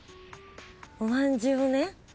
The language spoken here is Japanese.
おまんじゅうをね。